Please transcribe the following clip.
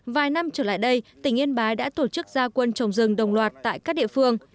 vài năm trở lại đây tỉnh yên bái đã tổ chức gia quân trồng rừng đồng loạt tại các địa phương